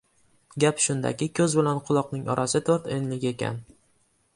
Gap shundaki, ko‘z bilan quloqning orasi - to‘rt enlik ekan.